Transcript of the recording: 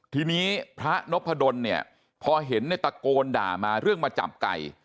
ทีนี้พระนพดลเนี่ยพอเห็นในตะโกนด่ามาเรื่องมาจับไก่